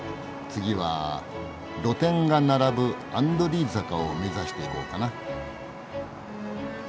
次は露店が並ぶアンドリー坂を目指して行こうかな。